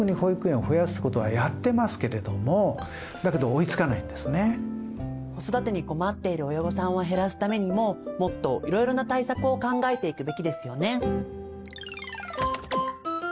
だけどそれじゃあ間に合わない子育てに困っている親御さんを減らすためにももっといろいろな対策を考えていくべきですよね。